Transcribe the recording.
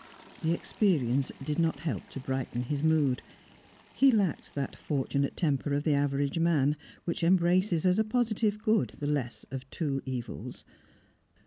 The experience did not help to brighten his mood; he lacked that fortunate temper of the average man, which embraces as a positive good the less of two evils.